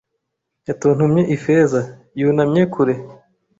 yatontomye Ifeza, yunamye kure